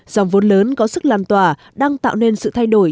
dòng vốn lớn có sức làm tỏa đang tạo nên sự thay đổi